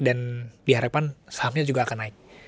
dan diharapkan sahamnya juga akan naik